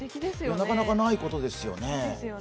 なかなかないことですよね。